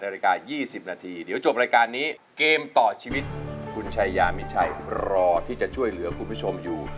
นาฬิกา๒๐นาทีเดี๋ยวจบรายการนี้เกมต่อชีวิตคุณชายามิชัยรอที่จะช่วยเหลือคุณผู้ชมอยู่